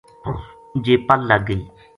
جے پل لگ گئی